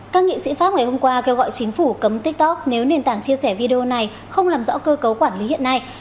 các nghị sĩ pháp ngày hôm qua kêu gọi chính phủ cấm tiktok nếu nền tảng chia sẻ video này không làm rõ cơ cấu quản lý hiện nay